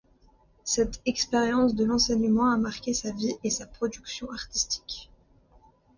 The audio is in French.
Cette expérience de l'enseignement a marqué sa vie et sa production artistique.